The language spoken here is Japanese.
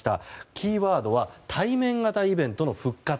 キーワードは対面型イベントの復活。